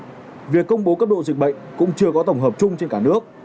vì vậy việc công bố cấp độ dịch bệnh cũng chưa có tổng hợp chung trên cả nước